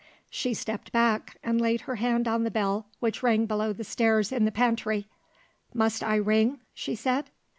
She stepped back, and laid her hand on the bell which rang below stairs, in the pantry. "Must I ring?" she said.